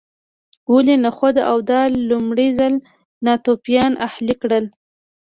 ولې نخود او دال لومړي ځل ناتوفیانو اهلي کړل